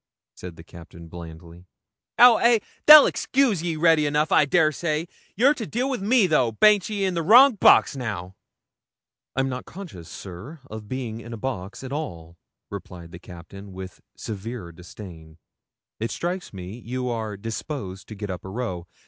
said the Captain blandly. 'Ow ay, they'll excuse ye ready enough, I dessay; you're to deal wi' me though. Baint ye in the wrong box now?' 'I'm not conscious, sir, of being in a box at all,' replied the Captain, with severe disdain. 'It strikes me you are disposed to get up a row.